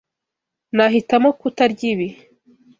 Nahitamo kutarya ibi.